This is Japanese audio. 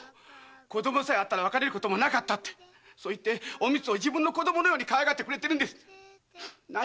「子供さえあったら別れることもなかった」って言っておみつを自分の子供のようにかわいがってくれてるんです。